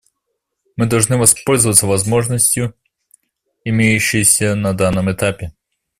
Мы должны воспользоваться возможностью, имеющейся на данном этапе.